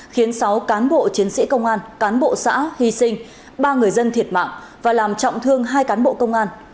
khiến sáu cán bộ chiến sĩ công an cán bộ xã hy sinh ba người dân thiệt mạng và làm trọng thương hai cán bộ công an